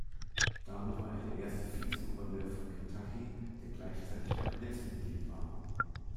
Damit war er der erste Vizegouverneur von Kentucky, der gleichzeitig Kabinettsmitglied war.